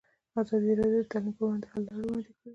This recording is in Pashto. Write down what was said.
ازادي راډیو د تعلیم پر وړاندې د حل لارې وړاندې کړي.